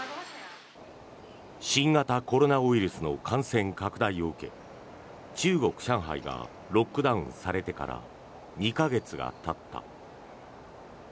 新型コロナウイルスの感染拡大を受け中国・上海がロックダウンされてから２か月がたった。